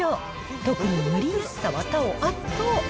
特に塗りやすさは他を圧倒。